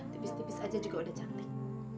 tipis tipis aja juga udah cantik